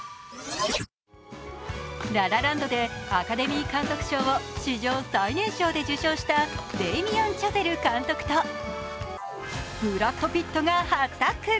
「ラ・ラ・ランド」でアカデミー監督賞を史上最年少で受賞したデイミアン・チャゼル監督とブラッド・ピットが初タッグ。